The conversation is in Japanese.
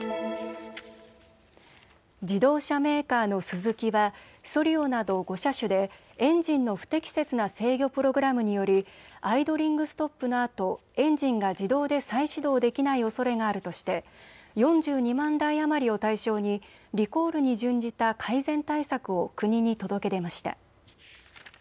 自動車メーカーのスズキはソリオなど５車種でエンジンの不適切な制御プログラムによりアイドリングストップのあとエンジンが自動で再始動できないおそれがあるとして、４２万台余りを対象にリコールに準じた改善対策を国に届け出ました。